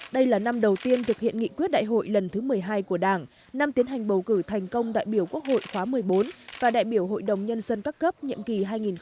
đây là năm đầu tiên thực hiện nghị quyết đại hội lần thứ một mươi hai của đảng năm tiến hành bầu cử thành công đại biểu quốc hội khóa một mươi bốn và đại biểu hội đồng nhân dân các cấp nhiệm kỳ hai nghìn hai mươi một hai nghìn hai mươi sáu